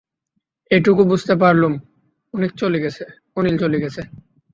এইটুকু বুঝতে পারলুম, অনিল চলে গেছে।